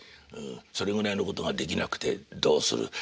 それぐらいのことができなくてどうする。